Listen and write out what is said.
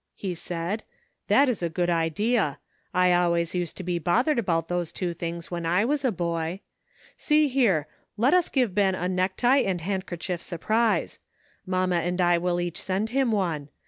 he said; '' that is a good idea. I always used to be bothered about those two things when I was a boy. See here, let us give Ben a necktie and handkerchief surprise. Mamma and I will each send him one.